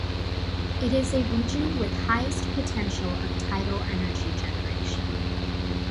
It is a region with highest potential of tidal energy generation.